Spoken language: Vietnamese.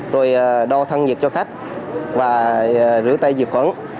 rồi đo thân nhiệt cho khách và rửa tay diệt khuẩn